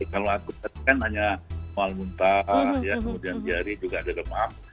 kalau akut kan hanya mual muntah diari juga ada demam